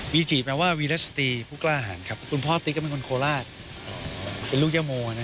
บิ่จิมาจากเนี้ย